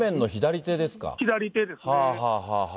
左手ですね。